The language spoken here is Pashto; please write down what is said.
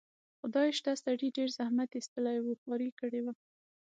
خدای شته، سړي ډېر زحمت ایستلی و، خواري یې کړې وه.